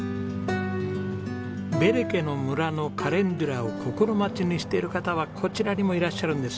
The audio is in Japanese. ベレケの村のカレンデュラを心待ちにしている方はこちらにもいらっしゃるんです。